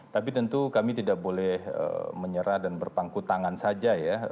tapi tentu kami tidak boleh menyerah dan berpangku tangan saja ya